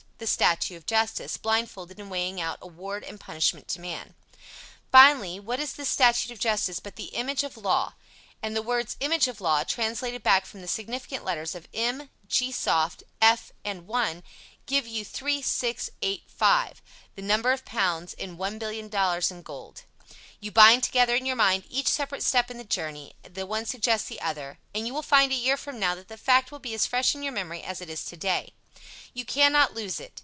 The statue of Justice, blindfolded and weighing out award and punishment to man. Finally, what is this statue of Justice but the image of law? And the words "image of law," translated back from the significant letters m, g soft, f and 1, give you 3 6 8 5, the number of pounds in $1,000,000 in gold. You bind together in your mind each separate step in the journey, the one suggests the other, and you will find a year from now that the fact will be as fresh in your memory as it is today. You cannot lose it.